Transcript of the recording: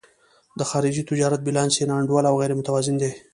د خارجي تجارت بیلانس یې نا انډوله او غیر متوازن دی.